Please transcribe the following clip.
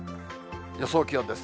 予想気温です。